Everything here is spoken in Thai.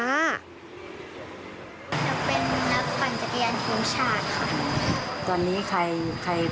จะเป็นนักกีฬาจักรยานทีมชาติค่ะ